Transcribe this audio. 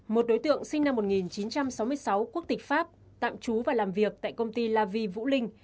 một đối tượng sinh năm một nghìn chín trăm sáu mươi sáu quốc tịch pháp tạm trú và làm việc tại công ty lavi vũ linh